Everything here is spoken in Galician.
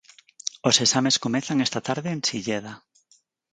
Os exames comezan esta tarde en Silleda.